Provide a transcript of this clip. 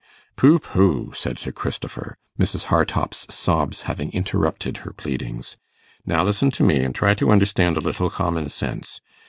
'Pooh, pooh!' said Sir Christopher, Mrs. Hartopp's sobs having interrupted her pleadings, 'now listen to me, and try to understand a little common sense.